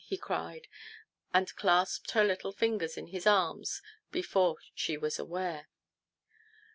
" he cried, and clasped her little figure in his arms before she was aware.